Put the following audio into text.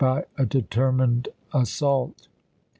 p i3." a determined assault.